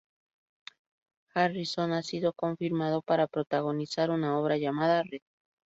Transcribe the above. Garrison ha sido confirmado para protagonizar una obra llamada 'Red'.